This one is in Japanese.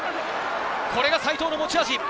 これが齋藤の持ち味！